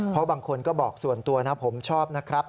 เพราะบางคนก็บอกส่วนตัวนะผมชอบนะครับ